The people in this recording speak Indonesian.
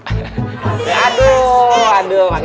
aduh seru nangisnya